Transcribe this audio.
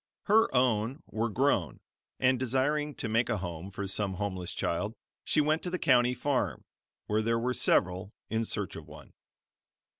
Her own were grown, and desiring to make a home for some homeless child, she went to the county farm, where there were several, in search of one.